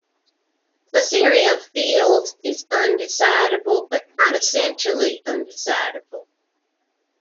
The theory of fields is undecidable but not essentially undecidable.